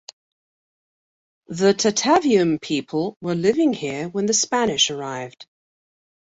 The Tataviam people were living here when the Spanish arrived.